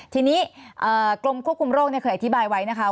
ทีนี้กรมควบคุมโรคเคยอธิบายไว้นะคะ